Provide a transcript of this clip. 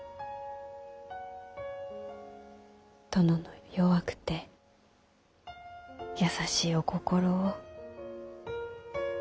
殿の弱くて優しいお心を。